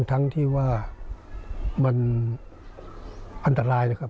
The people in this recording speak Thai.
ทั้งที่ว่ามันอันตรายนะครับ